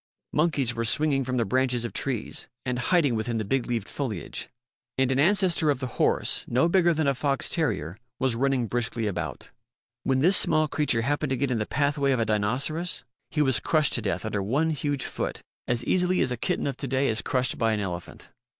Monkeys were swinging from the branches of trees and hiding within the big leaved foliage. And an ancestor of the horse, no bigger than a fox terrier, was running briskly about. When this small creature happened to get in the pathway of a Dinoceras, he THE LITTLE BRAINED DINOCERAS 97 was crushed to death under one huge foot as easily as a kitten of to day is crushed by an elephant.